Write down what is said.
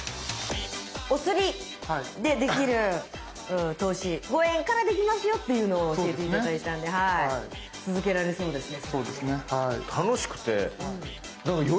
おつりでできる投資「５円からできますよ」というのを教えて頂いたんで続けられそうですね。